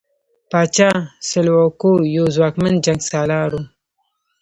پاچا سلوکو یو ځواکمن جنګسالار وو.